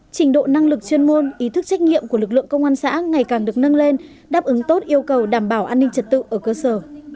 trình độ năng lực chuyên môn ý thức trách nhiệm của lực lượng công an xã ngày càng được nâng lên đáp ứng tốt yêu cầu đảm bảo an ninh trật tự ở cơ sở